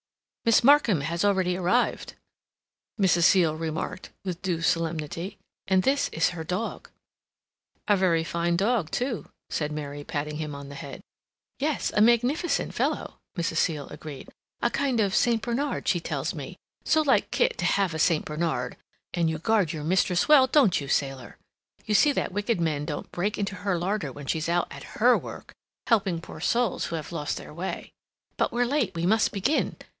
"Miss Markham has already arrived," Mrs. Seal remarked, with due solemnity, "and this is her dog." "A very fine dog, too," said Mary, patting him on the head. "Yes. A magnificent fellow," Mrs. Seal agreed. "A kind of St. Bernard, she tells me—so like Kit to have a St. Bernard. And you guard your mistress well, don't you, Sailor? You see that wicked men don't break into her larder when she's out at her work—helping poor souls who have lost their way.... But we're late—we must begin!"